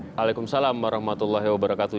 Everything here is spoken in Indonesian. waalaikumsalam warahmatullahi wabarakatuh